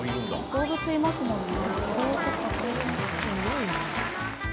動物いますもんね。